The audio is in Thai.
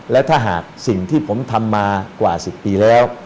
และถ้าหากสิ่งที่ผมทำมากว่า๑๐ปีแล้ว